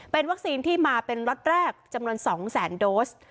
เป็นวัคซีนที่มาเป็นล็อตแรกจำนวน๒แสนโดส